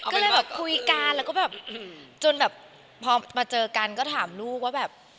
ก็เลยแบบคุยกันจนแบบพอมาเจอกันก็ถามลูกว่าแบบ